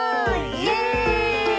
イエイ！